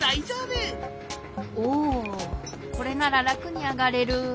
おおこれなららくにあがれる。